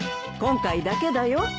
今回だけだよ。